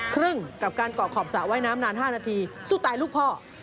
ครึ่งกับการเกาะขอบสระว่ายน้ำนาน๕นาทีสู้ตายลูกพ่อ